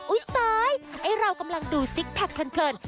ตายไอ้เรากำลังดูซิกแพคเพลิน